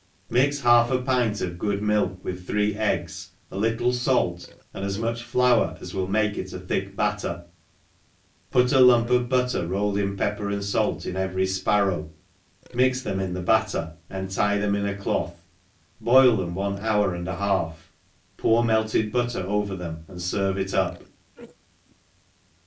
MIX half |i pint of good milk, with three eggs, a little fait, and as much flour as will make it a thick batter, put a lump of butter rolled in pepper and (alt in every fparrow, mix them in the batter, and tie them in a cloth, boil fhem one hour and a half, pour melted butter over them and ierve them up.